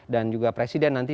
dan juga presiden nanti